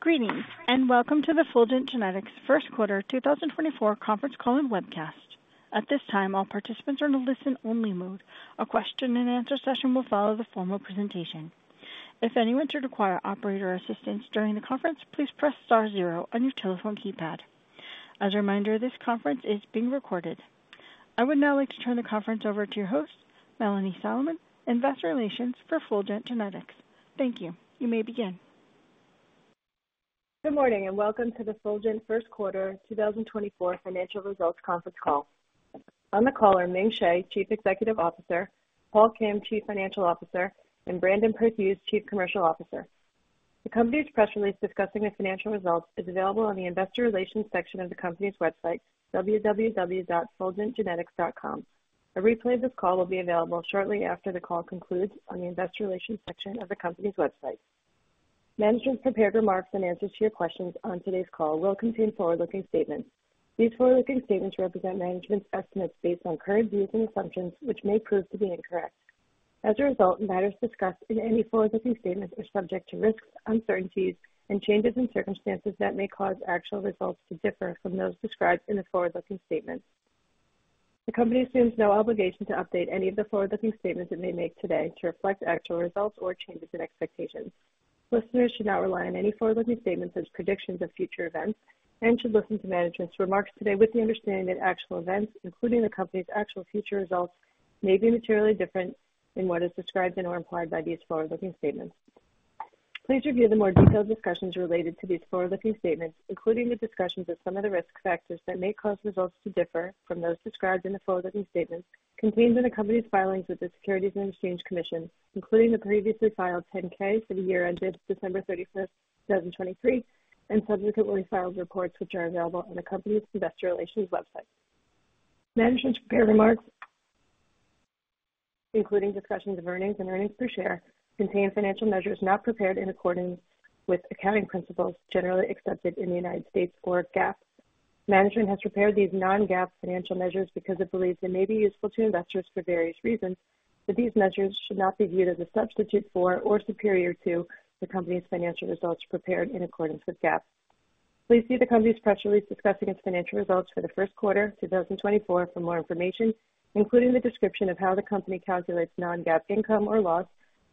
Greetings, and welcome to the Fulgent Genetics first quarter 2024 conference call and webcast. At this time, all participants are in a listen-only mode. A question and answer session will follow the formal presentation. If anyone should require operator assistance during the conference, please press star zero on your telephone keypad. As a reminder, this conference is being recorded. I would now like to turn the conference over to your host, Melanie Solomon, Investor Relations for Fulgent Genetics. Thank you. You may begin. Good morning, and welcome to the Fulgent first quarter 2024 financial results conference call. On the call are Ming Hsieh, Chief Executive Officer, Paul Kim, Chief Financial Officer, and Brandon Perthuis, Chief Commercial Officer. The company's press release discussing the financial results is available on the investor relations section of the company's website, www.fulgentgenetics.com. A replay of this call will be available shortly after the call concludes on the investor relations section of the company's website. Management's prepared remarks and answers to your questions on today's call will contain forward-looking statements. These forward-looking statements represent management's estimates based on current views and assumptions, which may prove to be incorrect. As a result, matters discussed in any forward-looking statements are subject to risks, uncertainties, and changes in circumstances that may cause actual results to differ from those described in the forward-looking statements. The company assumes no obligation to update any of the forward-looking statements it may make today to reflect actual results or changes in expectations. Listeners should not rely on any forward-looking statements as predictions of future events and should listen to management's remarks today with the understanding that actual events, including the company's actual future results, may be materially different in what is described in or implied by these forward-looking statements. Please review the more detailed discussions related to these forward-looking statements, including the discussions of some of the risk factors that may cause results to differ from those described in the forward-looking statements contained in the company's filings with the Securities and Exchange Commission, including the previously filed 10-K for the year ended December 31, 2023, and subsequently filed reports, which are available on the company's investor relations website. Management's prepared remarks, including discussions of earnings and earnings per share, contain financial measures not prepared in accordance with accounting principles generally accepted in the United States or GAAP. Management has prepared these non-GAAP financial measures because it believes they may be useful to investors for various reasons, but these measures should not be viewed as a substitute for or superior to the company's financial results prepared in accordance with GAAP. Please see the company's press release discussing its financial results for the first quarter 2024 for more information, including the description of how the company calculates non-GAAP income or loss,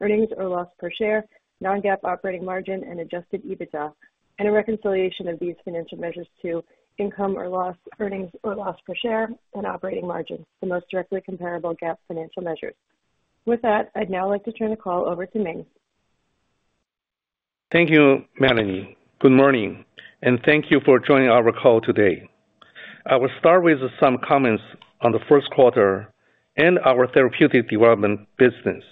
earnings or loss per share, non-GAAP operating margin, and Adjusted EBITDA, and a reconciliation of these financial measures to income or loss, earnings or loss per share, and operating margins, the most directly comparable GAAP financial measures. With that, I'd now like to turn the call over to Ming. Thank you, Melanie. Good morning, and thank you for joining our call today. I will start with some comments on the first quarter and our therapeutic development business.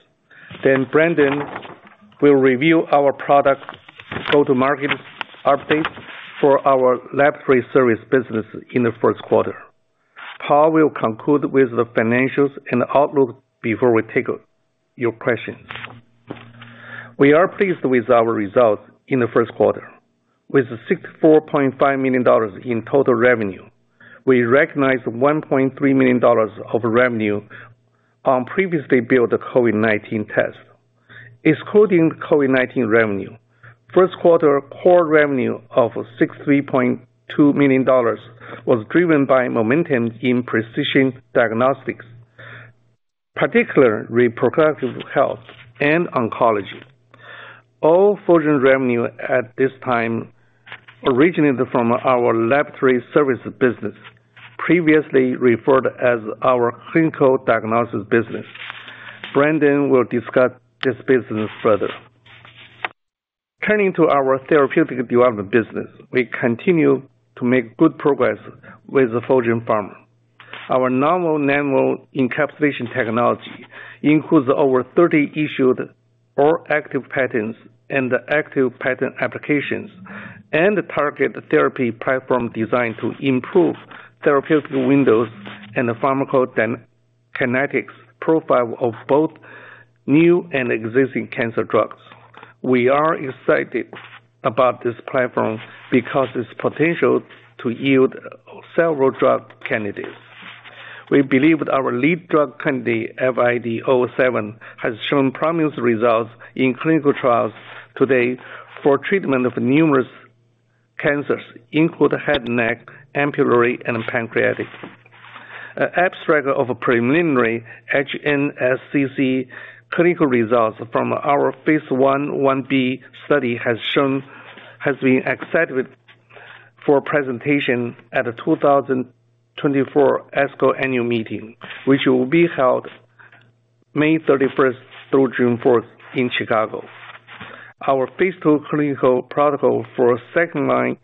Then Brandon will review our product go-to-market update for our laboratory service business in the first quarter. Paul will conclude with the financials and outlook before we take your questions. We are pleased with our results in the first quarter. With $64.5 million in total revenue, we recognized $1.3 million of revenue on previously billed COVID-19 test. Excluding COVID-19 revenue, first quarter core revenue of $63.2 million was driven by momentum in precision diagnostics, particularly reproductive health and oncology. All Fulgent revenue at this time originated from our laboratory services business, previously referred as our clinical diagnosis business. Brandon will discuss this business further. Turning to our therapeutic development business, we continue to make good progress with Fulgent Pharma. Our novel nanoencapsulation technology includes over 30 issued or active patents and active patent applications and targeted therapy platform designed to improve therapeutic windows and the pharmacokinetics profile of both new and existing cancer drugs. We are excited about this platform because of its potential to yield several drug candidates. We believe our lead drug candidate, FID-007, has shown promising results in clinical trials to date for treatment of numerous cancers, including head and neck, ampullary, and pancreatic. An abstract of a preliminary HNSCC clinical results from our phase l/l-B study has been accepted for presentation at the 2024 ASCO annual meeting, which will be held May 31st through June 4th in Chicago. Our phase ll clinical protocol for second-line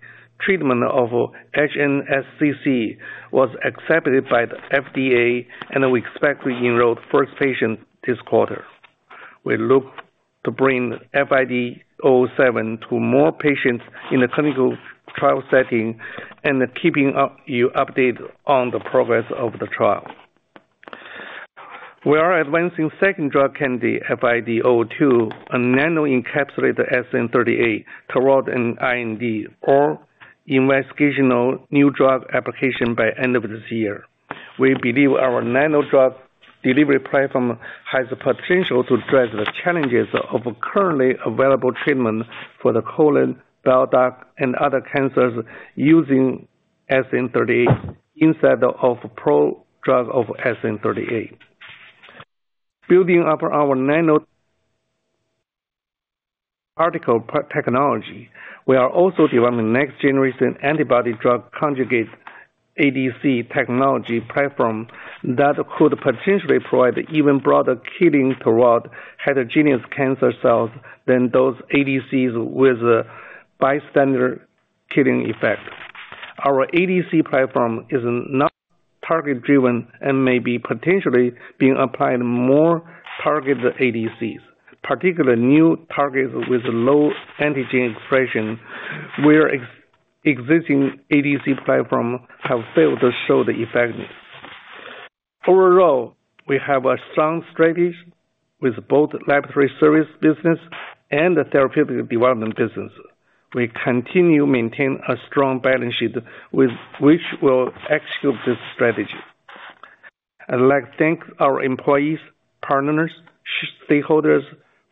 treatment of HNSCC was accepted by the FDA, and we expect to enroll the first patient this quarter. We look to bring FID-007 to more patients in a clinical trial setting and keep you updated on the progress of the trial. We are advancing second drug candidate, FID-002, a nanoencapsulated SN-38, toward an IND or investigational new drug application by end of this year. We believe our nano drug delivery platform has the potential to address the challenges of currently available treatment for the colon, bile duct, and other cancers using SN-38 inside of prodrug of SN-38. Building up our nanoparticle technology, we are also developing next-generation antibody-drug conjugates, ADC technology platform, that could potentially provide even broader killing toward heterogeneous cancer cells than those ADCs with a bystander killing effect. Our ADC platform is not target-driven and may be potentially being applied more target ADCs, particularly new targets with low antigen expression, where existing ADC platform have failed to show the effectiveness. Overall, we have a strong strategy with both laboratory service business and the therapeutic development business. We continue maintain a strong balance sheet with which we'll execute this strategy. I'd like to thank our employees, partners, stakeholders,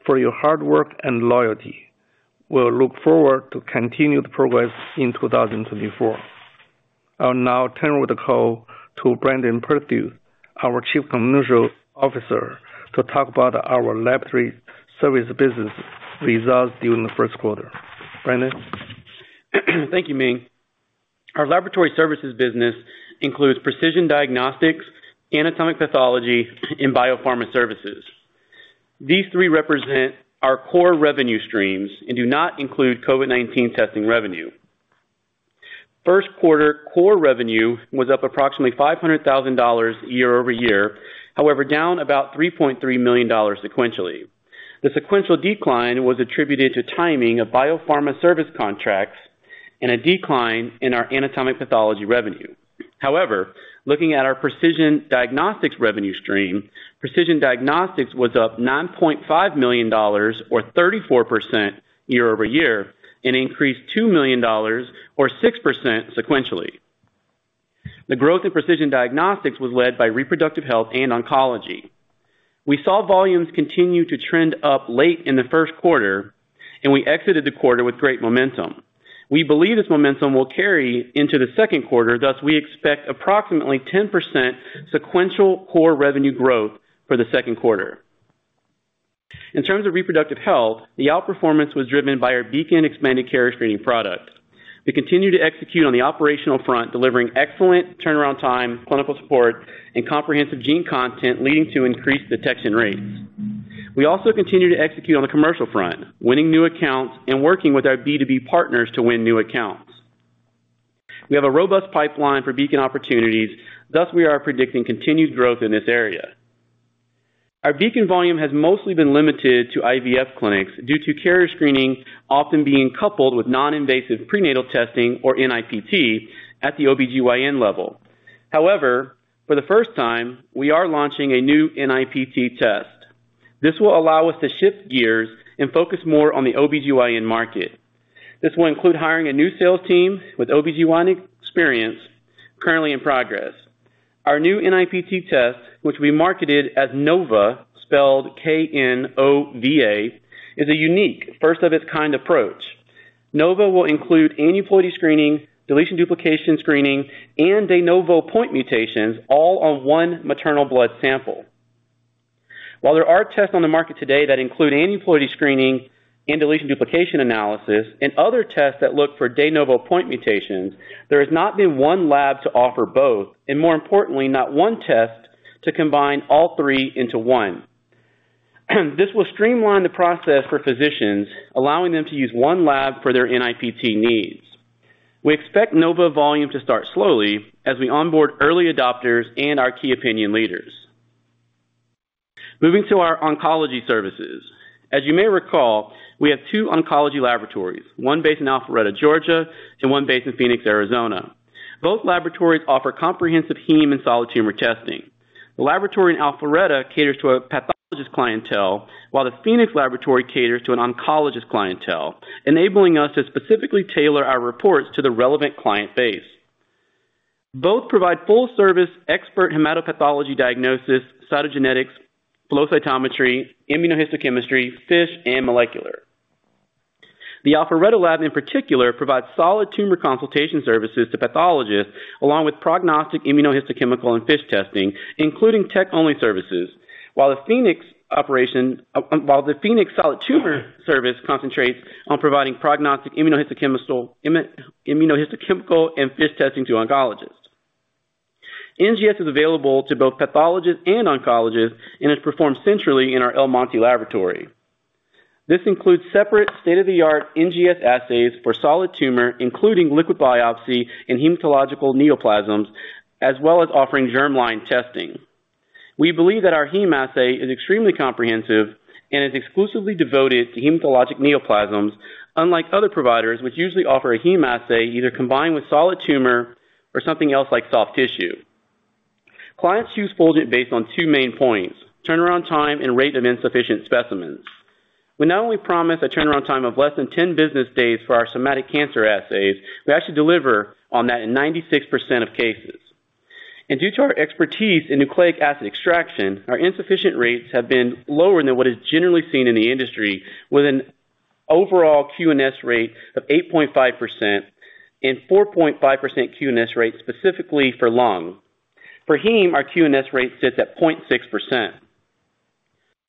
for your hard work and loyalty. We'll look forward to continued progress in 2024. I'll now turn over the call to Brandon Perthuis, our Chief Commercial Officer, to talk about our laboratory service business results during the first quarter. Brandon? Thank you, Ming. Our laboratory services business includes precision diagnostics, anatomic pathology, and biopharma services. These three represent our core revenue streams and do not include COVID-19 testing revenue. First quarter core revenue was up approximately $500,000 year-over-year, however, down about $3.3 million sequentially. The sequential decline was attributed to timing of biopharma service contracts and a decline in our anatomic pathology revenue. However, looking at our precision diagnostics revenue stream, precision diagnostics was up $9.5 million, or 34% year-over-year, and increased $2 million or 6% sequentially. The growth in precision diagnostics was led by reproductive health and oncology. We saw volumes continue to trend up late in the first quarter, and we exited the quarter with great momentum. We believe this momentum will carry into the second quarter, thus, we expect approximately 10% sequential core revenue growth for the second quarter. In terms of reproductive health, the outperformance was driven by our Beacon Expanded Carrier Screening product. We continue to execute on the operational front, delivering excellent turnaround time, clinical support, and comprehensive gene content, leading to increased detection rates. We also continue to execute on the commercial front, winning new accounts and working with our B2B partners to win new accounts. We have a robust pipeline for Beacon opportunities, thus, we are predicting continued growth in this area. Our Beacon volume has mostly been limited to IVF clinics due to carrier screening often being coupled with non-invasive prenatal testing, or NIPT, at the OBGYN level. However, for the first time, we are launching a new NIPT test. This will allow us to shift gears and focus more on the OBGYN market. This will include hiring a new sales team with OBGYN experience currently in progress. Our new NIPT test, which we marketed as KNOVA, spelled K-N-O-V-A, is a unique, first of its kind approach. KNOVA will include aneuploidy screening, deletion/duplication screening, and de novo point mutations, all on one maternal blood sample. While there are tests on the market today that include aneuploidy screening and deletion/duplication analysis, and other tests that look for de novo point mutations, there has not been one lab to offer both, and more importantly, not one test to combine all three into one. This will streamline the process for physicians, allowing them to use one lab for their NIPT needs. We expect KNOVA volume to start slowly as we onboard early adopters and our key opinion leaders. Moving to our oncology services. As you may recall, we have two oncology laboratories, one based in Alpharetta, Georgia, and one based in Phoenix, Arizona. Both laboratories offer comprehensive heme and solid tumor testing. The laboratory in Alpharetta caters to a pathologist clientele, while the Phoenix laboratory caters to an oncologist clientele, enabling us to specifically tailor our reports to the relevant client base. Both provide full-service, expert hematopathology diagnosis, cytogenetics, flow cytometry, immunohistochemistry, FISH, and molecular. The Alpharetta lab, in particular, provides solid tumor consultation services to pathologists, along with prognostic immunohistochemical and FISH testing, including tech-only services. While the Phoenix solid tumor service concentrates on providing prognostic immunohistochemical and FISH testing to oncologists. NGS is available to both pathologists and oncologists and is performed centrally in our El Monte laboratory. This includes separate state-of-the-art NGS assays for solid tumor, including liquid biopsy and hematological neoplasms, as well as offering germline testing. We believe that our heme assay is extremely comprehensive and is exclusively devoted to hematological neoplasms, unlike other providers, which usually offer a heme assay, either combined with solid tumor or something else, like soft tissue. Clients choose Fulgent based on two main points: turnaround time and rate of insufficient specimens. We not only promise a turnaround time of less than 10 business days for our somatic cancer assays, we actually deliver on that in 96% of cases. Due to our expertise in nucleic acid extraction, our insufficient rates have been lower than what is generally seen in the industry, with an overall QNS rate of 8.5% and 4.5% QNS rate specifically for lung. For heme, our QNS rate sits at 0.6%.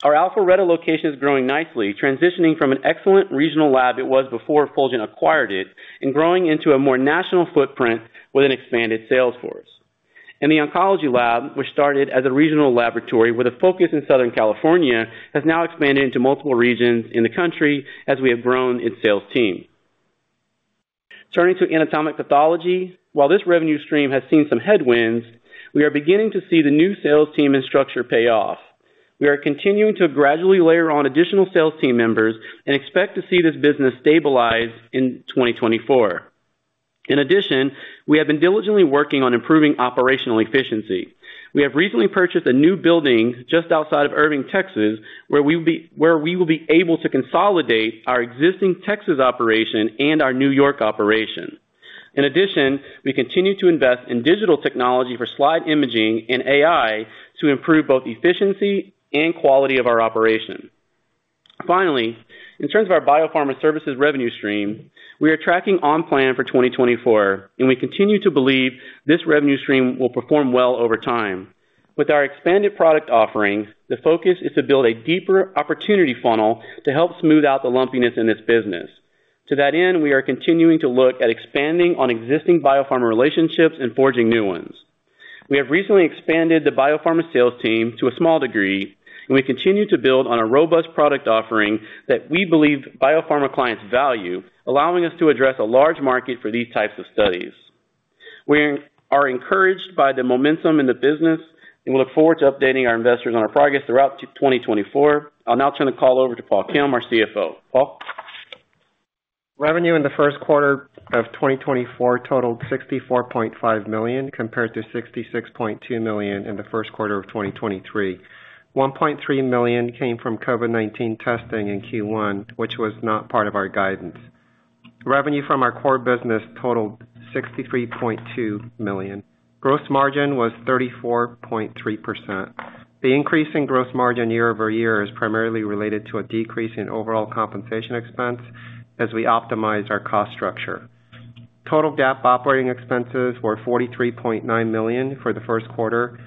Our Alpharetta location is growing nicely, transitioning from an excellent regional lab it was before Fulgent acquired it, and growing into a more national footprint with an expanded sales force. The oncology lab, which started as a regional laboratory with a focus in Southern California, has now expanded into multiple regions in the country as we have grown its sales team. Turning to anatomic pathology, while this revenue stream has seen some headwinds, we are beginning to see the new sales team and structure pay off. We are continuing to gradually layer on additional sales team members and expect to see this business stabilize in 2024. In addition, we have been diligently working on improving operational efficiency. We have recently purchased a new building just outside of Irving, Texas, where we will be able to consolidate our existing Texas operation and our New York operation. In addition, we continue to invest in digital technology for slide imaging and AI to improve both efficiency and quality of our operation. Finally, in terms of our biopharma services revenue stream, we are tracking on plan for 2024, and we continue to believe this revenue stream will perform well over time. With our expanded product offerings, the focus is to build a deeper opportunity funnel to help smooth out the lumpiness in this business. To that end, we are continuing to look at expanding on existing biopharma relationships and forging new ones. We have recently expanded the biopharma sales team to a small degree, and we continue to build on a robust product offering that we believe biopharma clients value, allowing us to address a large market for these types of studies. We are encouraged by the momentum in the business, and we look forward to updating our investors on our progress throughout 2024. I'll now turn the call over to Paul Kim, our CFO. Paul? Revenue in the first quarter of 2024 totaled $64.5 million, compared to $66.2 million in the first quarter of 2023. $1.3 million came from COVID-19 testing in Q1, which was not part of our guidance. Revenue from our core business totaled $63.2 million. Gross margin was 34.3%. The increase in gross margin year-over-year is primarily related to a decrease in overall compensation expense as we optimize our cost structure. Total GAAP operating expenses were $43.9 million for the first quarter,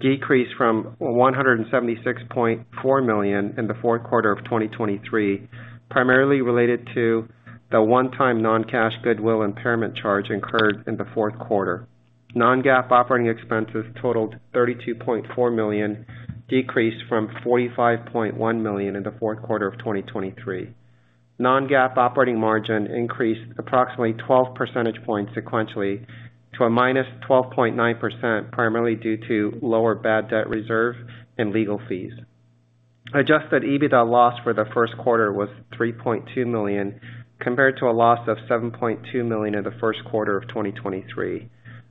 decreased from $176.4 million in the fourth quarter of 2023, primarily related to the one-time non-cash goodwill impairment charge incurred in the fourth quarter. Non-GAAP operating expenses totaled $32.4 million, decreased from $45.1 million in the fourth quarter of 2023. Non-GAAP operating margin increased approximately 12 percentage points sequentially to a -12.9%, primarily due to lower bad debt reserve and legal fees. Adjusted EBITDA loss for the first quarter was $3.2 million, compared to a loss of $7.2 million in the first quarter of 2023.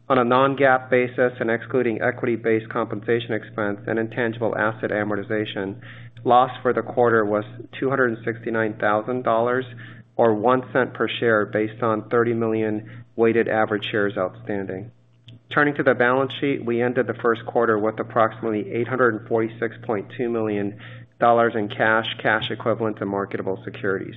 On a non-GAAP basis and excluding equity-based compensation expense and intangible asset amortization, loss for the quarter was $269,000, or $0.01 per share, based on 30 million weighted average shares outstanding. Turning to the balance sheet, we ended the first quarter with approximately $846.2 million in cash, cash equivalents and marketable securities.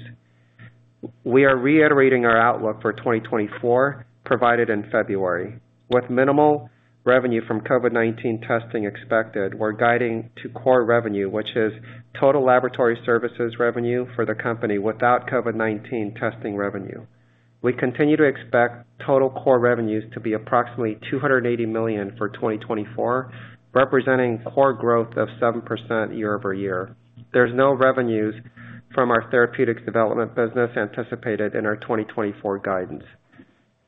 We are reiterating our outlook for 2024, provided in February. With minimal revenue from COVID-19 testing expected, we're guiding to core revenue, which is total laboratory services revenue for the company, without COVID-19 testing revenue. We continue to expect total core revenues to be approximately $280 million for 2024, representing core growth of 7% year-over-year. There's no revenues from our therapeutics development business anticipated in our 2024 guidance.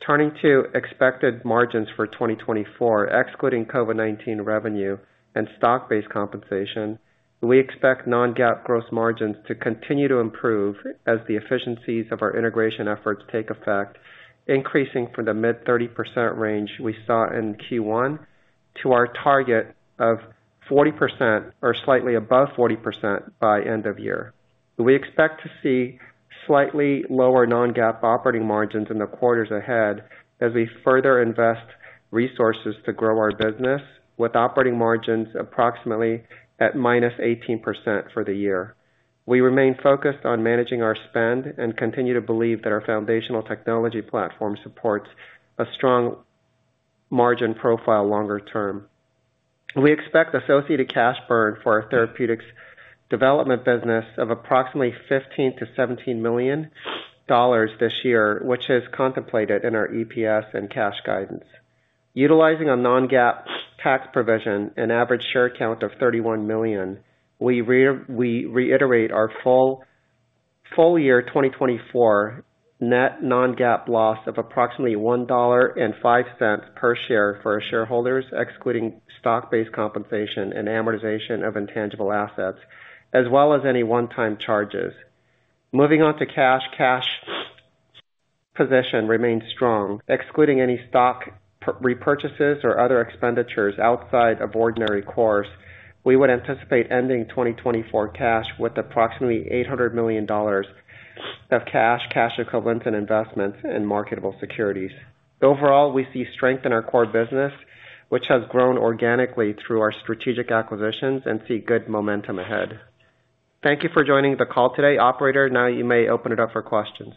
Turning to expected margins for 2024, excluding COVID-19 revenue and stock-based compensation, we expect non-GAAP gross margins to continue to improve as the efficiencies of our integration efforts take effect, increasing from the mid-30% range we saw in Q1 to our target of 40% or slightly above 40% by end of year. We expect to see slightly lower non-GAAP operating margins in the quarters ahead as we further invest resources to grow our business, with operating margins approximately at minus 18% for the year. We remain focused on managing our spend and continue to believe that our foundational technology platform supports a strong margin profile longer term. We expect associated cash burn for our therapeutics development business of approximately $15 million-$17 million this year, which is contemplated in our EPS and cash guidance. Utilizing a non-GAAP tax provision and average share count of 31 million, we reiterate our full year 2024 net non-GAAP loss of approximately $1.05 per share for our shareholders, excluding stock-based compensation and amortization of intangible assets, as well as any one-time charges. Moving on to cash, cash...... position remains strong, excluding any stock repurchases or other expenditures outside of ordinary course, we would anticipate ending 2024 with approximately $800 million of cash, cash equivalents, and investments in marketable securities. Overall, we see strength in our core business, which has grown organically through our strategic acquisitions and see good momentum ahead. Thank you for joining the call today. Operator, now you may open it up for questions.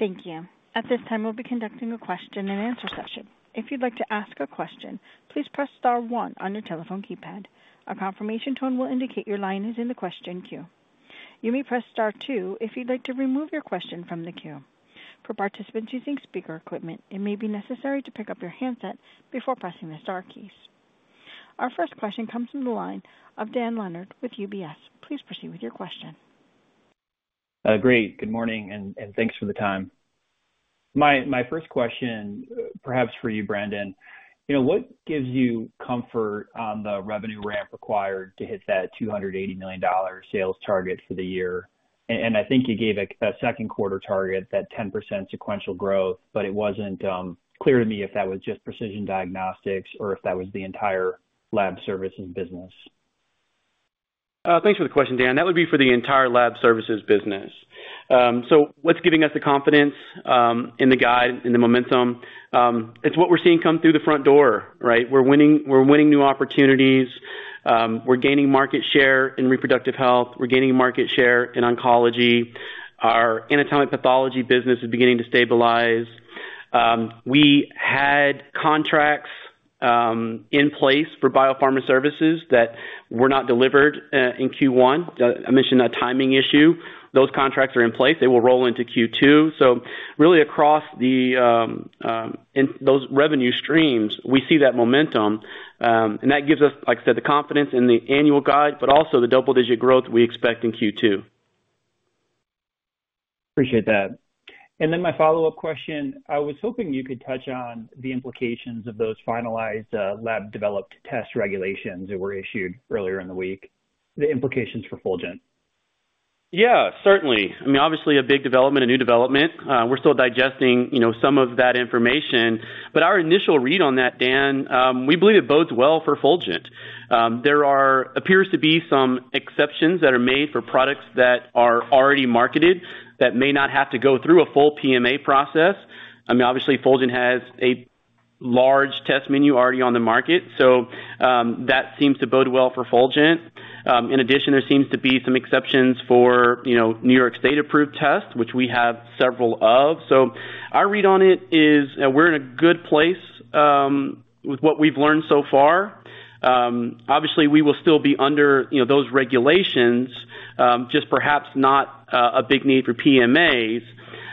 Thank you. At this time, we'll be conducting a question and answer session. If you'd like to ask a question, please press star one on your telephone keypad. A confirmation tone will indicate your line is in the question queue. You may press star two if you'd like to remove your question from the queue. For participants using speaker equipment, it may be necessary to pick up your handset before pressing the star keys. Our first question comes from the line of Dan Leonard with UBS. Please proceed with your question. Great. Good morning, and thanks for the time. My first question, perhaps for you, Brandon: You know, what gives you comfort on the revenue ramp required to hit that $280 million sales target for the year? And I think you gave a second quarter target, that 10% sequential growth, but it wasn't clear to me if that was just precision diagnostics or if that was the entire lab services business. Thanks for the question, Dan. That would be for the entire lab services business. So what's giving us the confidence in the guide and the momentum? It's what we're seeing come through the front door, right? We're winning, we're winning new opportunities, we're gaining market share in reproductive health. We're gaining market share in oncology. Our anatomic pathology business is beginning to stabilize. We had contracts in place for biopharma services that were not delivered in Q1. I mentioned a timing issue. Those contracts are in place. They will roll into Q2. So really across the in those revenue streams, we see that momentum, and that gives us, like I said, the confidence in the annual guide, but also the double-digit growth we expect in Q2. Appreciate that. And then my follow-up question, I was hoping you could touch on the implications of those finalized lab-developed test regulations that were issued earlier in the week, the implications for Fulgent. Yeah, certainly. I mean, obviously a big development, a new development. We're still digesting, you know, some of that information, but our initial read on that, Dan, we believe it bodes well for Fulgent. There appears to be some exceptions that are made for products that are already marketed that may not have to go through a full PMA process. I mean, obviously, Fulgent has a large test menu already on the market, so, that seems to bode well for Fulgent. In addition, there seems to be some exceptions for, you know, New York State-approved tests, which we have several of. So our read on it is, we're in a good place, with what we've learned so far. Obviously, we will still be under, you know, those regulations, just perhaps not, a big need for PMAs.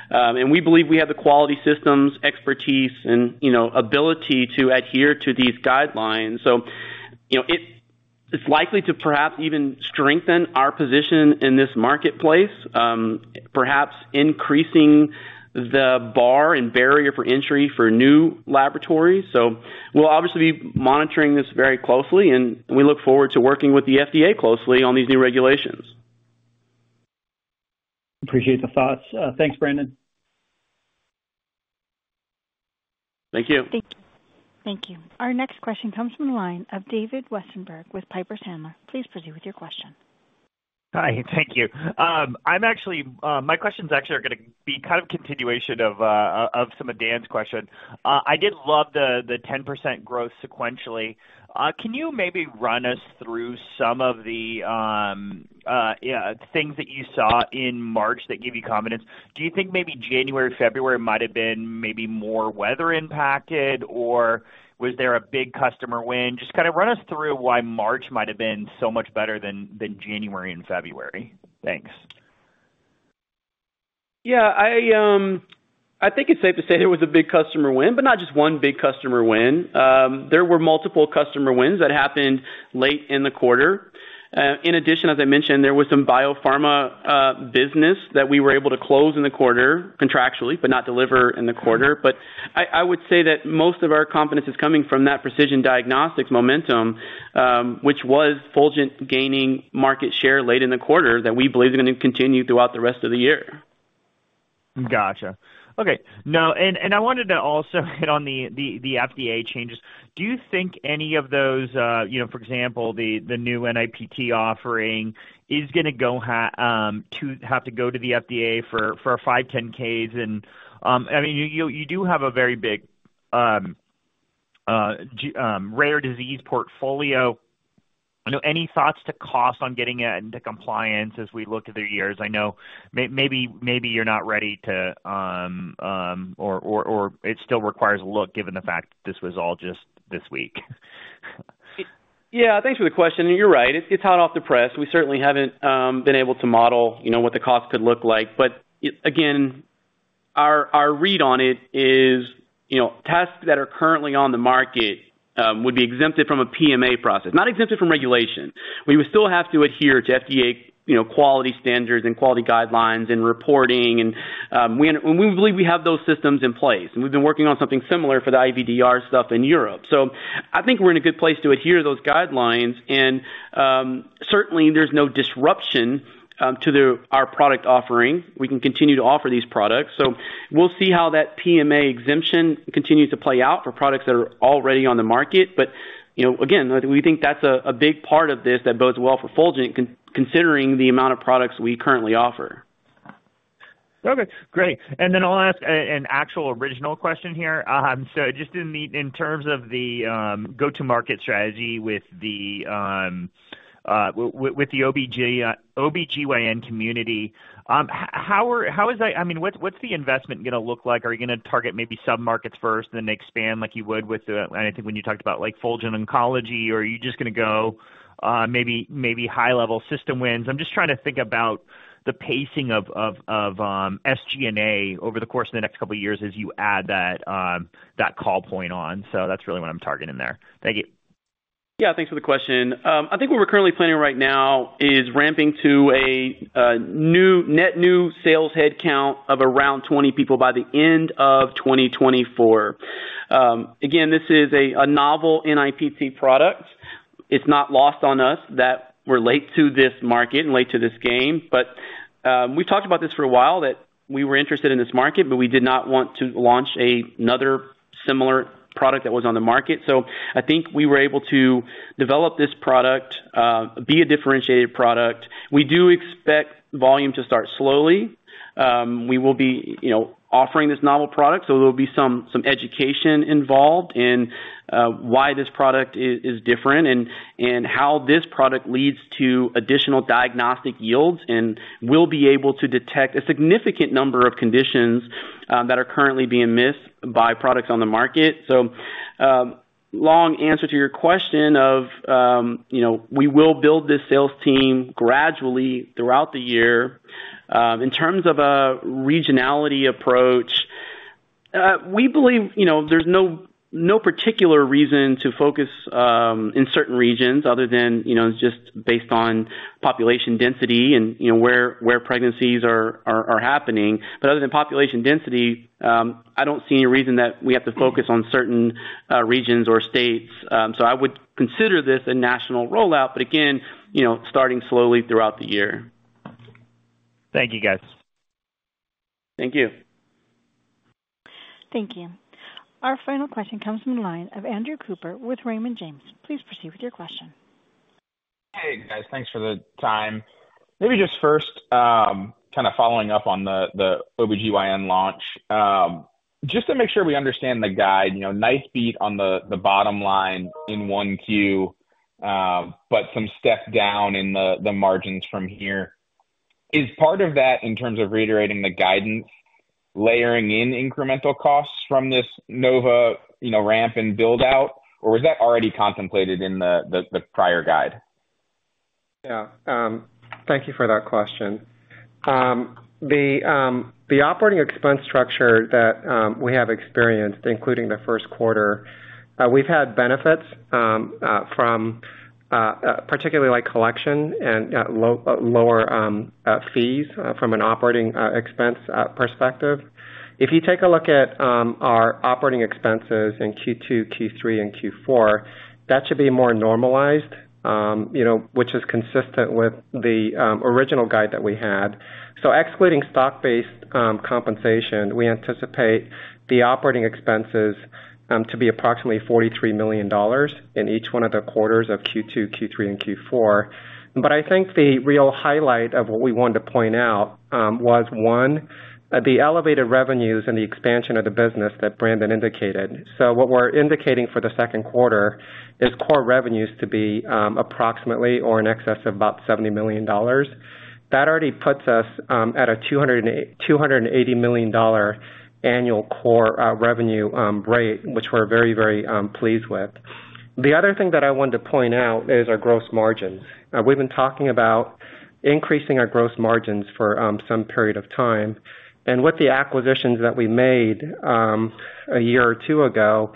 And we believe we have the quality systems, expertise and, you know, ability to adhere to these guidelines. So, you know, it's likely to perhaps even strengthen our position in this marketplace, perhaps increasing the bar and barrier for entry for new laboratories. So we'll obviously be monitoring this very closely, and we look forward to working with the FDA closely on these new regulations. Appreciate the thoughts. Thanks, Brandon. Thank you. Thank you. Our next question comes from the line of David Westenberg with Piper Sandler. Please proceed with your question. Hi, thank you. I'm actually, my questions actually are gonna be kind of a continuation of, of some of Dan's questions. I did love the, the 10% growth sequentially. Can you maybe run us through some of the, yeah, things that you saw in March that give you confidence? Do you think maybe January, February might have been maybe more weather impacted, or was there a big customer win? Just kind of run us through why March might have been so much better than, than January and February. Thanks. Yeah, I think it's safe to say there was a big customer win, but not just one big customer win. There were multiple customer wins that happened late in the quarter. In addition, as I mentioned, there was some biopharma business that we were able to close in the quarter contractually, but not deliver in the quarter. But I would say that most of our confidence is coming from that precision diagnostics momentum, which was Fulgent gaining market share late in the quarter that we believe is going to continue throughout the rest of the year. Gotcha. Okay. Now, I wanted to also hit on the FDA changes. Do you think any of those, you know, for example, the new NIPT offering is gonna have to go to the FDA for a 510(k)s? And, I mean, you do have a very big rare disease portfolio. You know, any thoughts to cost on getting it into compliance as we look at the years? I know maybe you're not ready to, or it still requires a look, given the fact that this was all just this week. Yeah, thanks for the question. You're right, it's hot off the press. We certainly haven't been able to model, you know, what the cost could look like. But again, our read on it is, you know, tests that are currently on the market would be exempted from a PMA process, not exempted from regulation. We would still have to adhere to FDA, you know, quality standards and quality guidelines and reporting. And we believe we have those systems in place, and we've been working on something similar for the IVDR stuff in Europe. So I think we're in a good place to adhere to those guidelines, and certainly, there's no disruption to our product offering. We can continue to offer these products. So we'll see how that PMA exemption continues to play out for products that are already on the market. But, you know, again, we think that's a big part of this that bodes well for Fulgent considering the amount of products we currently offer.... Okay, great. And then I'll ask an actual original question here. So just in terms of the go-to-market strategy with the OB/GYN community, how is that... I mean, what's the investment gonna look like? Are you gonna target maybe submarkets first, and then expand like you would with the, I think when you talked about, like, Fulgent Oncology, or are you just gonna go maybe high-level system wins? I'm just trying to think about the pacing of SG&A over the course of the next couple of years as you add that call point on. So that's really what I'm targeting there. Thank you. Yeah, thanks for the question. I think what we're currently planning right now is ramping to a net new sales headcount of around 20 people by the end of 2024. Again, this is a novel NIPT product. It's not lost on us that we're late to this market and late to this game, but we've talked about this for a while, that we were interested in this market, but we did not want to launch another similar product that was on the market. So I think we were able to develop this product, be a differentiated product. We do expect volume to start slowly. We will be, you know, offering this novel product, so there will be some education involved in why this product is different, and how this product leads to additional diagnostic yields, and will be able to detect a significant number of conditions that are currently being missed by products on the market. So, long answer to your question of, you know, we will build this sales team gradually throughout the year. In terms of a regionality approach, we believe, you know, there's no particular reason to focus in certain regions other than, you know, just based on population density and, you know, where pregnancies are happening. But other than population density, I don't see any reason that we have to focus on certain regions or states. I would consider this a national rollout, but again, you know, starting slowly throughout the year. Thank you, guys. Thank you. Thank you. Our final question comes from the line of Andrew Cooper with Raymond James. Please proceed with your question. Hey, guys. Thanks for the time. Maybe just first, kind of following up on the OBGYN launch. Just to make sure we understand the guide, you know, nice beat on the bottom line in 1Q, but some step down in the margins from here. Is part of that, in terms of reiterating the guidance, layering in incremental costs from this KNOVA, you know, ramp and build-out? Or was that already contemplated in the prior guide? Yeah. Thank you for that question. The operating expense structure that we have experienced, including the first quarter, we've had benefits from, particularly like collection and lower fees from an operating expense perspective. If you take a look at our operating expenses in Q2, Q3, and Q4, that should be more normalized, you know, which is consistent with the original guide that we had. So excluding stock-based compensation, we anticipate the operating expenses to be approximately $43 million in each one of the quarters of Q2, Q3, and Q4. But I think the real highlight of what we wanted to point out was, one, the elevated revenues and the expansion of the business that Brandon indicated. So what we're indicating for the second quarter is core revenues to be approximately or in excess of about $70 million. That already puts us at a two hundred and eighty million dollar annual core revenue rate, which we're very, very pleased with. The other thing that I wanted to point out is our gross margins. We've been talking about increasing our gross margins for some period of time. And with the acquisitions that we made a year or two ago,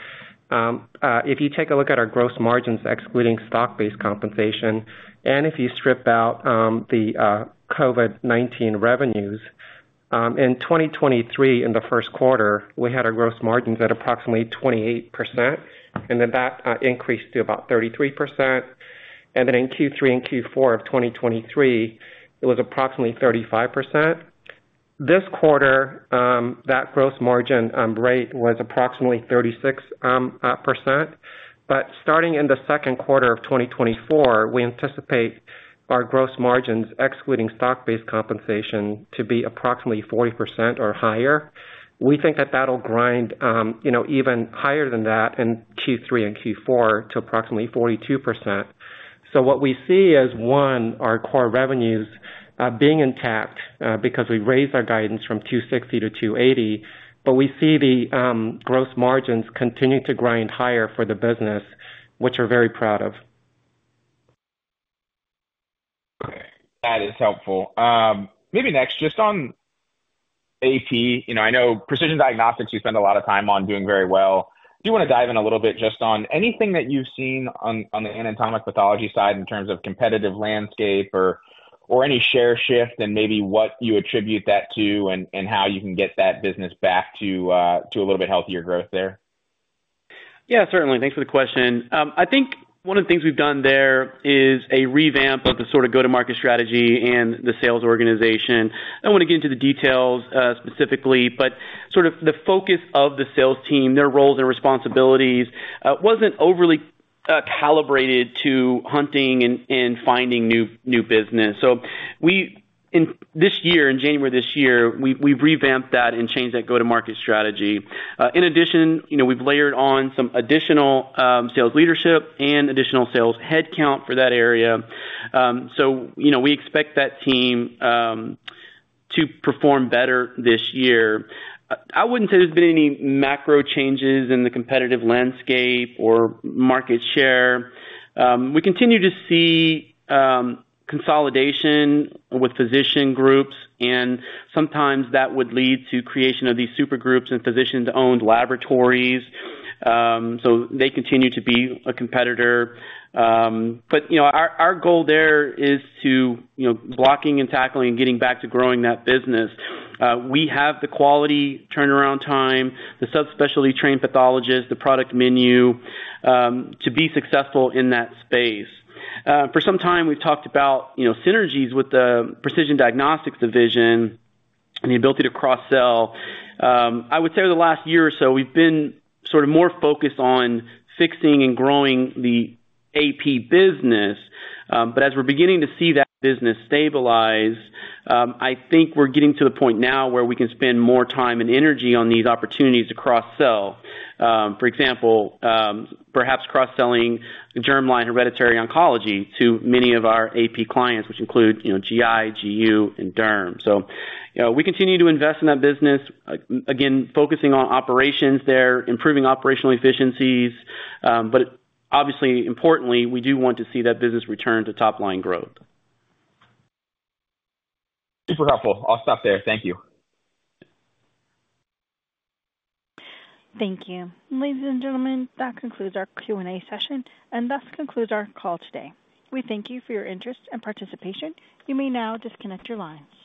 if you take a look at our gross margins, excluding stock-based compensation, and if you strip out the COVID-19 revenues in 2023, in the first quarter, we had our gross margins at approximately 28%, and then that increased to about 33%. In Q3 and Q4 of 2023, it was approximately 35%. This quarter, that gross margin rate was approximately 36%. Starting in the second quarter of 2024, we anticipate our gross margins, excluding stock-based compensation, to be approximately 40% or higher. We think that that'll grind, you know, even higher than that in Q3 and Q4 to approximately 42%. What we see is, one, our core revenues being intact, because we've raised our guidance from $260 to $280, but we see the gross margins continuing to grind higher for the business, which we're very proud of. Okay. That is helpful. Maybe next, just on AP. You know, I know Precision Diagnostics, you spend a lot of time on doing very well. I do wanna dive in a little bit just on anything that you've seen on, on the anatomic pathology side in terms of competitive landscape or, or any share shift, and maybe what you attribute that to, and, and how you can get that business back to, to a little bit healthier growth there. Yeah, certainly. Thanks for the question. I think one of the things we've done there is a revamp of the sort of go-to-market strategy and the sales organization. I don't want to get into the details, specifically, but sort of the focus of the sales team, their roles and responsibilities, wasn't overly calibrated to hunting and finding new business. So we, in this year, in January this year, we've revamped that and changed that go-to-market strategy. In addition, you know, we've layered on some additional sales leadership and additional sales headcount for that area. So, you know, we expect that team to perform better this year. I wouldn't say there's been any macro changes in the competitive landscape or market share. We continue to see consolidation with physician groups, and sometimes that would lead to creation of these super groups and physicians-owned laboratories. So they continue to be a competitor. But, you know, our goal there is to, you know, blocking and tackling and getting back to growing that business. We have the quality turnaround time, the subspecialty trained pathologists, the product menu to be successful in that space. For some time, we've talked about, you know, synergies with the precision diagnostics division and the ability to cross-sell. I would say over the last year or so, we've been sort of more focused on fixing and growing the AP business. But as we're beginning to see that business stabilize, I think we're getting to the point now where we can spend more time and energy on these opportunities to cross-sell. For example, perhaps cross-selling the germline hereditary oncology to many of our AP clients, which include, you know, GI, GU, and Derm. So, you know, we continue to invest in that business, again, focusing on operations there, improving operational efficiencies, but obviously, importantly, we do want to see that business return to top-line growth. Super helpful. I'll stop there. Thank you. Thank you. Ladies and gentlemen, that concludes our Q&A session, and thus concludes our call today. We thank you for your interest and participation. You may now disconnect your lines.